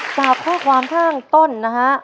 จากข้อความข้างต้นนะฮะ